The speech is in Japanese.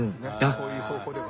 こういう方法では。